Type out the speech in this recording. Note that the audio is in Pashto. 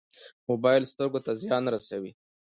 موبایل سترګو ته زیان رسوي